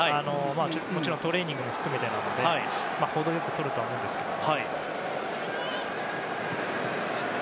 もちろんトレーニングも含めてなので程良くとるとは思うんですけど。